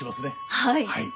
はい。